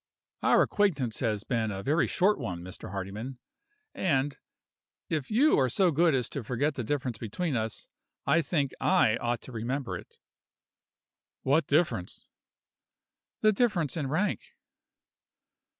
"Our acquaintance has been a very short one, Mr. Hardyman. And, if you are so good as to forget the difference between us, I think I ought to remember it." "What difference?" "The difference in rank."